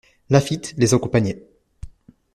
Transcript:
Laffitte les accompagnait.